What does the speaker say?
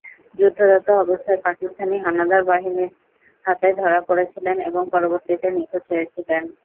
যুদ্ধরত অবস্থায় পাকিস্তানি হানাদার বাহিনীর হাতে ধরা পরেছিলেন এবং পরবর্তীতে নিখোঁজ হয়েছিলেন।